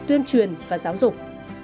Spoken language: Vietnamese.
tuyên truyền và giáo dục